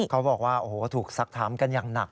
เขาบอกว่าโอ้โหถูกสักถามกันอย่างหนัก